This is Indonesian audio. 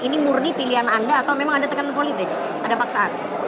ini murni pilihan anda atau memang ada tekanan politik ada paksaan